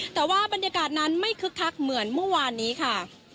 แต่ว่าบรรยากาศนั้นไม่คึกคักเหมือนเมื่อวานนี้ค่ะ